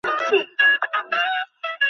আসুন, আসুন।